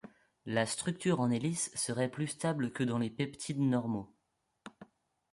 La structure en hélice serait plus stable que dans les peptides normaux.